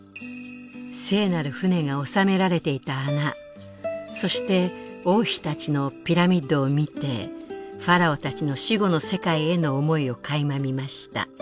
聖なる船が収められていた穴そして王妃たちのピラミッドを見てファラオたちの死後の世界への思いをかいま見ました。